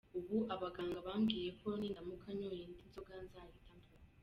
Ubu abaganga bambwiye ko nindamuka nyoye indi nzoga nzahita mpfa”.